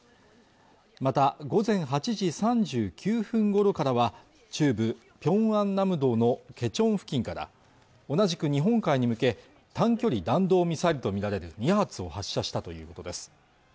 また午前８時３９分ごろからは中部ピョンアンナムドのケチョン付近から同じく日本海に向け短距離弾道ミサイルと見られる２発を発射したということです